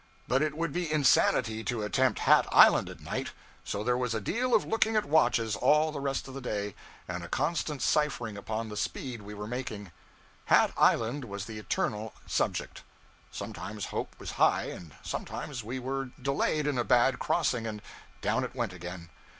But it would be insanity to attempt Hat Island at night. So there was a deal of looking at watches all the rest of the day, and a constant ciphering upon the speed we were making; Hat Island was the eternal subject; sometimes hope was high and sometimes we were delayed in a bad crossing, and down it went again.